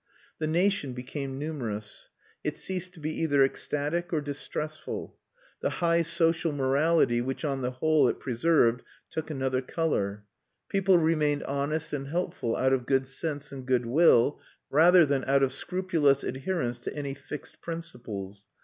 The nation became numerous; it ceased to be either ecstatic or distressful; the high social morality which on the whole it preserved took another colour; people remained honest and helpful out of good sense and good will rather than out of scrupulous adherence to any fixed principles.